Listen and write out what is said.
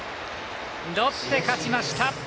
ロッテ勝ちました。